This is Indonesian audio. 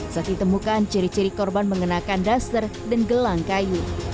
setiap temukan ciri ciri korban mengenakan daster dan gelang kayu